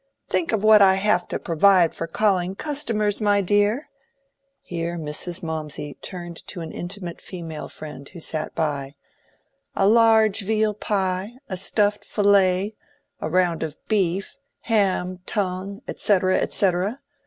Think of what I have to provide for calling customers, my dear!"—here Mrs. Mawmsey turned to an intimate female friend who sat by—"a large veal pie—a stuffed fillet—a round of beef—ham, tongue, et cetera, et cetera!